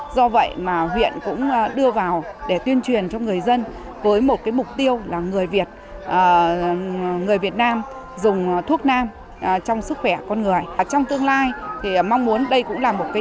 do vậy huyện cũng đưa vào để tuyên truyền cho người dân với một mục tiêu là người việt nam dùng thuốc nam trong sức khỏe con người